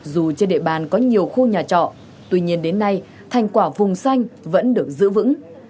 dù trên địa bàn có nhiều khu nhà trọ tuy nhiên đến nay thành quả vùng xanh vẫn được giữ vững